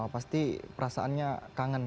pasti perasaannya kangen